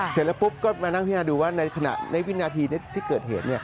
เสร็จแล้วปุ๊บก็มานั่งพินาดูว่าในขณะในวินาทีที่เกิดเหตุ